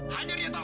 hanyur ya tong